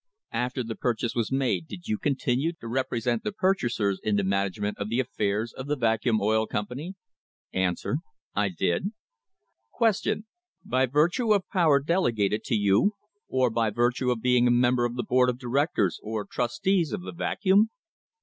After this purchase was made did you continue to represent the purchasers in the management of the affairs of the Vacuum Oil Company ? A. I did. Q. By virtue of power delegated to you, or by virtue of being a member of the board of directors or trustees of the Vacuum